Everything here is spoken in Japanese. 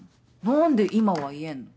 何で今は言えんの？